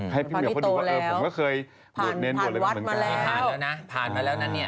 เท่านั้นไว้ให้พี่เหมาะให้พี่เหมาะดูว่าว่าผมก็เคยผ่านวัดมาแล้ว